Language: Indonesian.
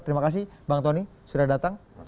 terima kasih bang tony sudah datang